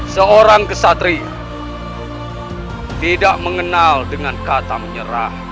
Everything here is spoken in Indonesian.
seorang kesatria tidak mengenal dengan kata menyerah